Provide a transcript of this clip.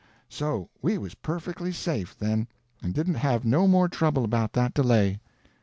So we was perfectly safe, then, and didn't have no more trouble about that delay.